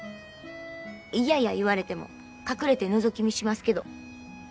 嫌や言われても隠れてのぞき見しますけど。